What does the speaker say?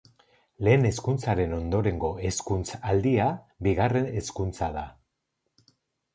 Lehen hezkuntzaren ondorengo hezkuntza-aldia bigarren hezkuntza da.